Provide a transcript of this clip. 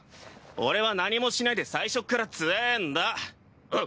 俺は何もしないで最初っから強ぇんだう